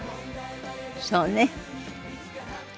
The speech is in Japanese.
そうね。